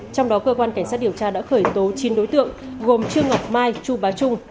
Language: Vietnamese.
trong đó cơ quan cảnh sát điều tra đã khởi tố chín đối tượng gồm trương ngọc mai chu bá trung